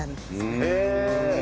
へえ！